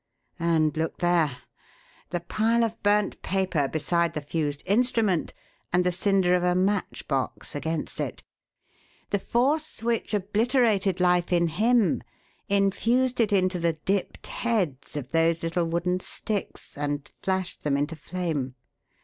"And look there the pile of burnt paper beside the fused instrument and the cinder of a matchbox against it. The force which obliterated life in him infused it into the 'dipped' heads of those little wooden sticks, and flashed them into flame.